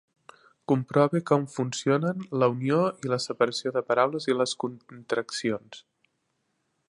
Comprove com funcionen la unió i la separació de paraules i les contraccions.